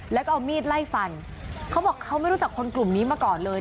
แล้วก็เอามีดไล่ฟันเขาบอกเขาไม่รู้จักคนกลุ่มนี้มาก่อนเลย